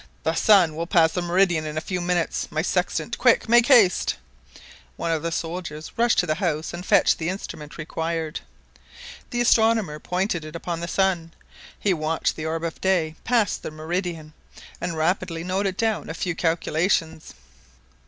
"The sun will pass the meridian in a few minutes. ... My sextant quick ... make haste !" One of the soldiers rushed to the house and fetched the instrument required. The astronomer pointed it upon the sun; he watched the orb of day pass the meridian, and rapidly noted down a few calculations.